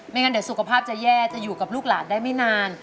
งั้นเดี๋ยวสุขภาพจะแย่จะอยู่กับลูกหลานได้ไม่นาน